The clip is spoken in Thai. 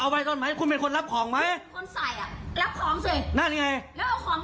เอาไปตอนไหนคุณเป็นคนรับของไหม